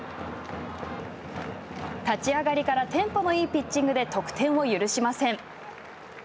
立ち上がりからテンポのいいピッチングで得点を許しません。